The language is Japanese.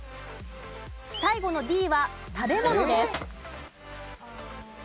最後のＤは食べ物です。